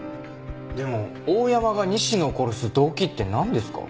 でも大山が西野を殺す動機ってなんですか？